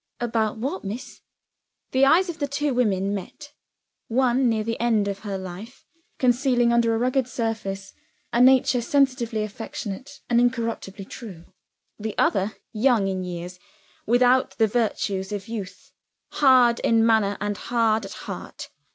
"About what, miss?" The eyes of the two women met one, near the end of her life, concealing under a rugged surface a nature sensitively affectionate and incorruptibly true: the other, young in years, without the virtues of youth, hard in manner and hard at heart.